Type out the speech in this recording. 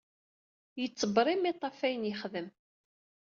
Yettebrimmiṭ ɣef ayen yexdem.